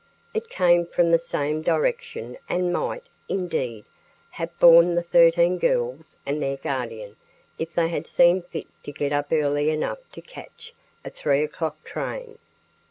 It came from the same direction and might, indeed, have borne the thirteen girls and their guardian if they had seen fit to get up early enough to catch a 3 o'clock train.